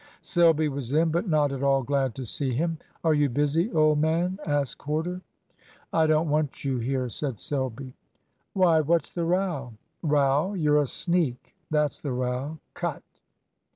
Selby was in, but not at all glad to see him. "Are you busy, old man?" asked Corder. "I don't want you here," said Selby. "Why, what's the row?" "Row? You're a sneak, that's the row. Cut!"